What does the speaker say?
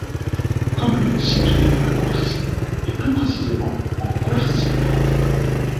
Commune située dans le Quercy et plus précisément en Quercy blanc.